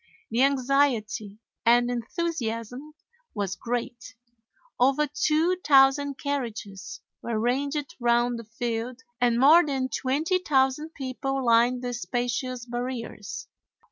The anxiety and enthusiasm was great. Over 2,000 carriages were ranged round the field and more than 20,000 people lined the spacious barriers.